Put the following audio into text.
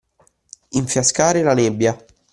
Infiascare la nebbia.